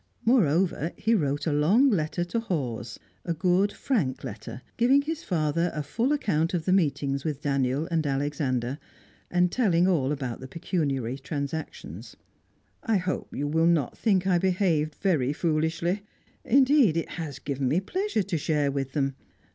Moreover, he wrote a long letter to Hawes, a good, frank letter, giving his father a full account of the meetings with Daniel and Alexander, and telling all about the pecuniary transactions: "I hope you will not think I behaved very foolishly. Indeed, it has given me pleasure to share with them.